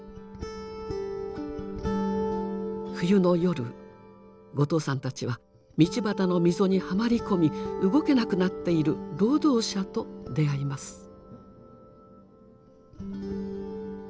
冬の夜後藤さんたちは道端の溝にはまり込み動けなくなっている労働者と出会います。